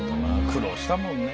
苦労したもんね。